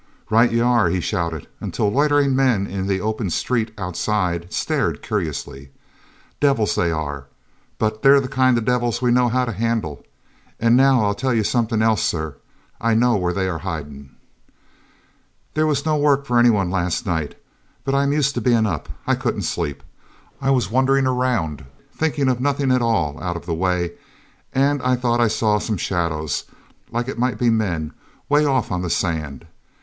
"Right ye are!" he shouted, until loitering men in the open "street" outside stared curiously. "Divils they are, but they're the kind of divils we know how to handle. And now I'll tell ye somethin' else, sir: I know where they are hidin'. "There was no work for anyone last night, but I'm used to bein' up. I couldn't sleep. I was wanderin' around, thinkin' of nothin' at all out of the way, and I thought I saw some shadows, like it might be men, way off on the sand.